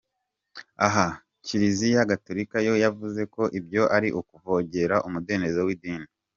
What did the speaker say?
Aha kiliziya gatolika yo yavuze ko ibyo ari ukuvogera umudendezo w’idini.